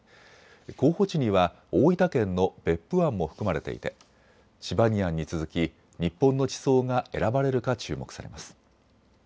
候補地には大分県の別府湾も含まれていてチバニアンに続き日本の地層が選ばれるか注目されます。